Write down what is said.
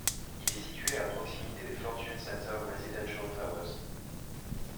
Il est situé à proximité des Fortune Center Residential Towers.